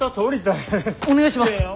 お願いします！